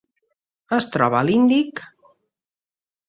Es troba a l'Índic: